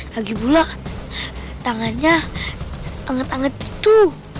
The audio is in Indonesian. lagi pula tangannya anget anget itu